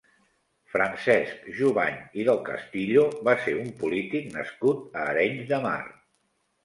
Francesc Jubany i Del Castillo va ser un polític nascut a Arenys de Mar.